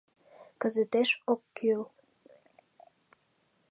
— Кызытеш ок кӱл...